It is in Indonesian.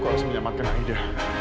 aku harus menyamakkan aida